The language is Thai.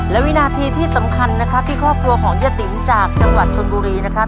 และวินาทีที่สำคัญนะครับที่ครอบครัวของยะติ๋มจากจังหวัดชนบุรีนะครับ